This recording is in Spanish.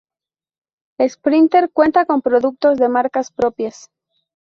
Sprinter cuenta con productos de marcas propias.